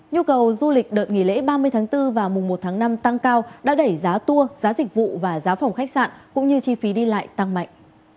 nhu cầu du lịch đợt nghỉ lễ ba mươi tháng bốn và mùa một tháng năm tăng cao đã đẩy giá tour giá dịch vụ và giá phòng khách sạn cũng như chi phí đi lại tăng mạnh